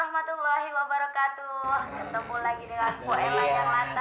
buat umur lancar